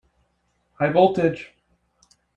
High voltage!